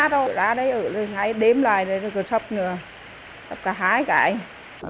đã đây hãy đếm lại cửa sắp sắp cả hái cả